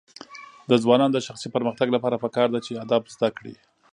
د ځوانانو د شخصي پرمختګ لپاره پکار ده چې ادب زده کړي.